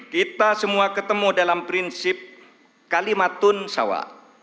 kita semua ketemu dalam prinsip kalimatun sawa